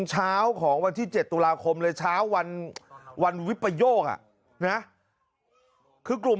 เช้าของวันที่๗ตุลาคมเลยเช้าวันวิปโยกคือกลุ่ม